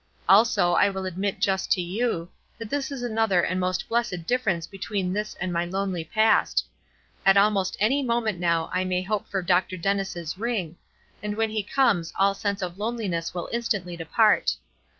Also, I will admit just to you, that this is another and most blessed difference between this and my lonely past. At almost any moment now I may hope for Dr. Dennis' ring, and when he comes all sense of loneliness will instantly depart.